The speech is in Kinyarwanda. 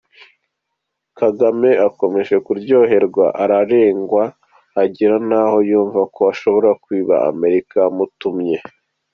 Kagame yakomeje kuryoherwa ararengwa agera n’aho yumva ko ashobora kwiba na Amerika yamutumye.